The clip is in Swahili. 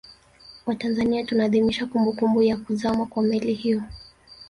Watanzania tunaadhimisha kumbukumbu ya kuzama kwa Meli hiyo